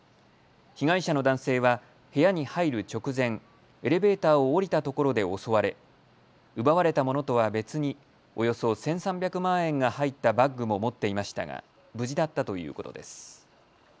被害者の男性は部屋に入る直前、エレベーターを降りたところで襲われ奪われたものとは別におよそ１３００万円が入ったバッグも持っていましたが無事だったということです。